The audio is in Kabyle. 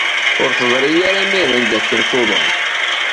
Ur teẓri ara imiren d akken tuḍen.